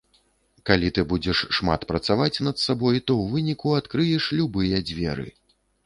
Калі ты будзеш шмат працаваць над сабой, то ў выніку адкрыеш любыя дзверы.